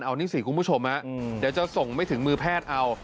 เอานี่สิคุณผู้ชมเดี๋ยวจะส่งไม่ถึงมือแพทย์เอา